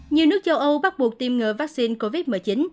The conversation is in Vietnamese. nhiều nước châu âu bắt buộc tiêm ngừa vaccine covid một mươi chín